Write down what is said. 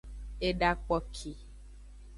Eda kpoki.